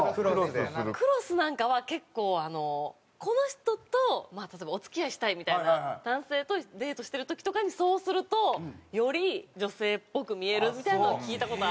クロスなんかは結構この人とまあ例えばお付き合いしたいみたいな男性とデートしてる時とかにそうするとより女性っぽく見えるみたいなのは聞いた事あるので。